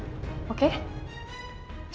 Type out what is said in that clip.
dan lo seenak nyulik gue